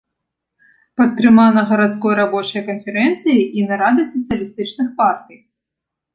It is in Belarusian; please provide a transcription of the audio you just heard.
Падтрымана гарадской рабочай канферэнцыяй і нарадай сацыялістычных партый.